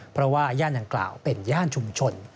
เพราะว่าย่านดังกล่าวเป็นย่านชุมชน